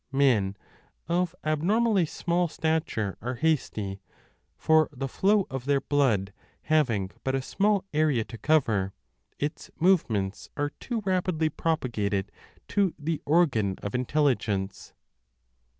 Men of abnormally small stature are hasty, for the flow of their blood having but a small area to cover, its move ments are too rapidly propagated to the organ of intel ligence.